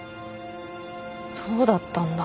そうだったんだ。